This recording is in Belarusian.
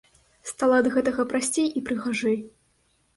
Стала ад гэтага прасцей і прыгажэй.